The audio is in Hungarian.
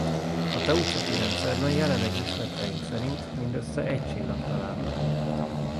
A Tau Ceti rendszerben jelenlegi ismereteink szerint mindössze egy csillag található.